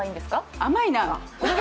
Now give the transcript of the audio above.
甘いな！